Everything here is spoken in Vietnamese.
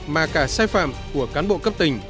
mà cả sai phạm của cán bộ cấp tỉnh